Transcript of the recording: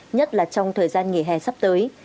nhất là trong thời gian nghỉ hè sắp tới